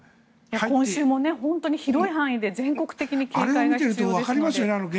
今週も広い範囲で全国的に警戒が必要ですので。